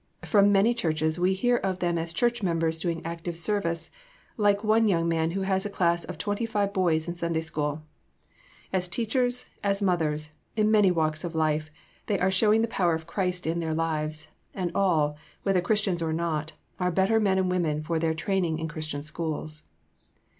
From many churches we hear of them as church members doing active service, like one young man who has a class of twenty five boys in Sunday School. As teachers, as mothers, in many walks of life, they are showing the power of Christ in their lives, and all, whether Christians or not, are better men and women for their training in Christian schools."